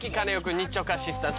日直アシスタント